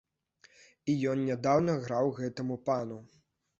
І ён нядаўна граў гэтаму пану.